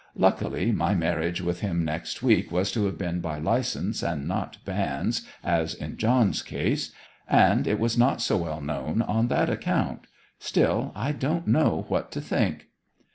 Luckily my marriage with him next week was to have been by licence, and not banns, as in John's case; and it was not so well known on that account. Still, I don't know what to think.'